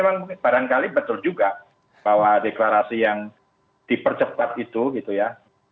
memang barangkali betul juga bahwa deklarasi yang dipercepat itu gitu ya